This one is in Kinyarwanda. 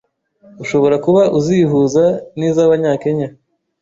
ushobora kuba uzihuza n’iz’Abanyakenya,